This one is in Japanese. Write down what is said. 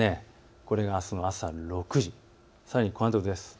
これがあすの朝６時、さらにこのあとです。